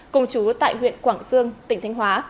cùng chú tại huyện quảng sương tỉnh thánh hóa